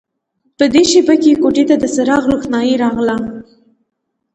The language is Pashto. په دې شېبه کې کوټې ته د څراغ روښنايي راغله